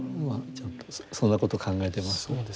ちょっとそんなこと考えています。